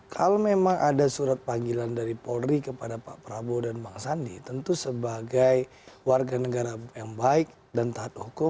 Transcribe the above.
kalau memang ada surat panggilan dari polri kepada pak prabowo dan bang sandi tentu sebagai warga negara yang baik dan taat hukum